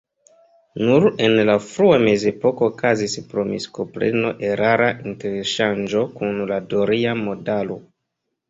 Nur en la frua mezepoko okazis pro miskompreno erara interŝanĝo kun la doria modalo.